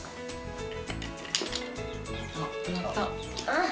あっ。